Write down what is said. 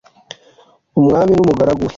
w umwami n umugaragu wawe